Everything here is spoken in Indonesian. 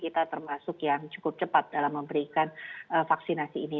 kita termasuk yang cukup cepat dalam memberikan vaksinasi ini